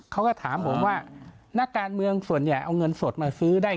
เขาก็ถามผมว่านักการเมืองส่วนใหญ่เอาเงินสดมาซื้อได้